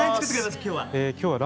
今日は。